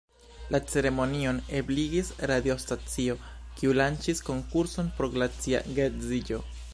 La ceremonion ebligis radiostacio, kiu lanĉis konkurson por glacia geedziĝo.